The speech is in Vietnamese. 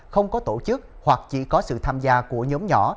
không có tổ chức hoặc chỉ có sự tham gia của nhóm nhỏ